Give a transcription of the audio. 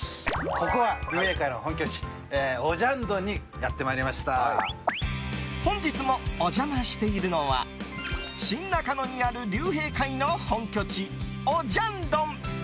ここは竜兵会の本拠地オジャンドンに本日もお邪魔しているのは新中野にある竜兵会の本拠地オジャンドン。